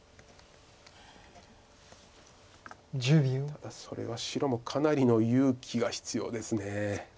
ただそれは白もかなりの勇気が必要です。